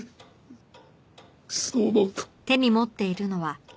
そう思うと。